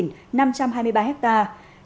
trồng cây ăn trái